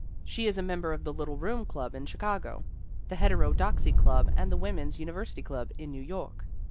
She is a member of the Little Room Club in Chicago, the Heterodoxy Club and the Women's Uni versity Club in New York.